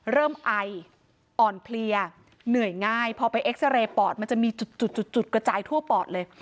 ไออ่อนเพลียเหนื่อยง่ายพอไปเอ็กซาเรย์ปอดมันจะมีจุดจุดกระจายทั่วปอดเลย